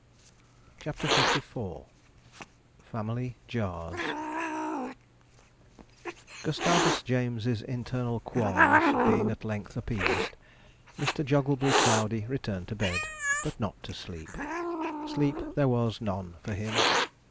CHAPTER LIV FAMILY JARS Gustavus James's internal qualms being at length appeased, Mr. Jogglebury Crowdey returned to bed, but not to sleep sleep there was none for him.